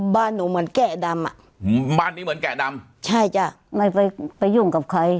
บ้านหนูเหมือนแกะดำอ่ะบ้านนี้เหมือนแกะดำใช่จ้ะไม่ไปไปยุ่งกับใคร